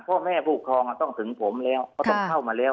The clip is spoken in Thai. พ่อแม่ผู้ครองต้องถึงผมแล้วเขาต้องเข้ามาแล้ว